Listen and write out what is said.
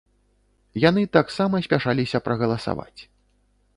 Яны таксама спяшаліся прагаласаваць.